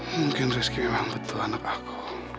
mungkin rizky memang betul anak aku